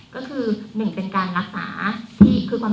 ช่วยให้การรักษาการกันงาน